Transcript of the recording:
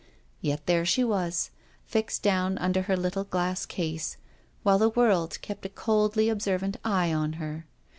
Yet there she was, fixed down under her little glass case, while the world kept a coldly observant eye upon her.